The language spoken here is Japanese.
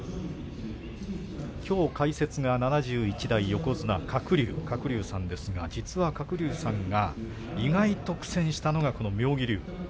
きょう解説は７１代横綱鶴竜、鶴竜さんですが実は鶴竜さんが意外と苦戦したのが、この妙義龍。